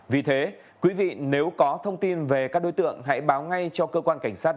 vì thế quý vị nếu có thông tin về các đối tượng hãy báo ngay cho cơ quan cảnh sát điều